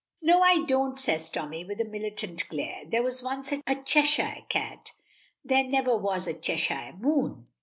"No, I don't," says Tommy, with a militant glare. "There was once a Cheshire cat; there never was a Cheshire moon."